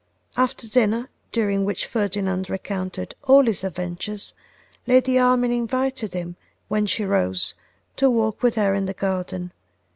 After dinner, during which Ferdinand recounted all his adventures, Lady Armine invited him, when she rose, to walk with her in the garden.